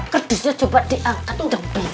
kedisnya coba diangkat udang pina